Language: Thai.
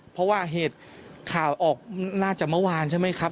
เพราะว่าเหตุข่าวออกน่าจะเมื่อวานใช่ไหมครับ